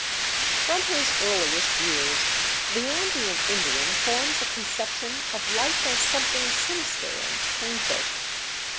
From his earliest years the Andean Indian forms a conception of life as something sinister and painful.